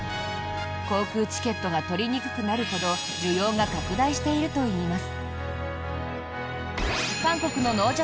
航空チケットが取りにくくなるほど需要が拡大しているといいます。